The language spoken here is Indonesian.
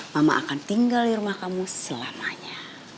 mama akan tinggal di rumah kamu selamanya